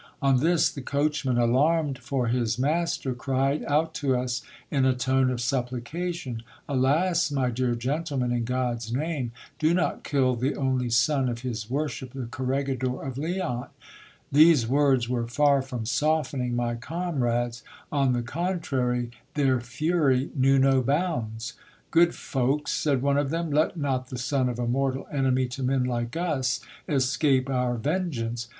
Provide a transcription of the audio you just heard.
On this the coachman, alarmed for his master, cried out to us in a tone of supplication — Alas ! my dear gentlemen, in God's name, do not kill the only son of his worship the corregidor of Leon. These words were far from softening my comrades ; on the contrary, their fury knew no bounds. Good folks, said one of them, let not the son of a mortal enemy to men like us escape our vengeance.